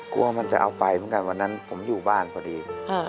กลัวมันจะเอาไปเหมือนกันวันนั้นผมอยู่บ้านพอดี